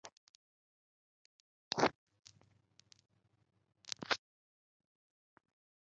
ژوندي عذر کوي